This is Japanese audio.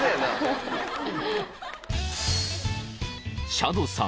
［チャドさん